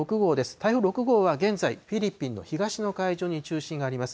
台風６号は現在、フィリピンの東の海上に中心があります。